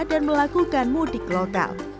dan melakukan mudik lokal